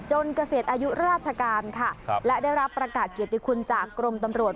เกษียณอายุราชการค่ะและได้รับประกาศเกียรติคุณจากกรมตำรวจ